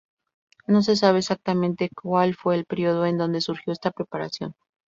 No se sabe exactamente cual fue el periodo en donde surgió esta preparación.